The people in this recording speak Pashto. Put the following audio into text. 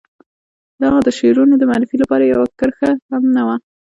د هغه د شعرونو د معرفي لپاره يوه کرښه هم نه وه.